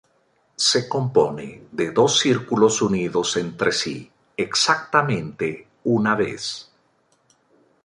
Se compone de dos círculos unidos entre sí exactamente una vez.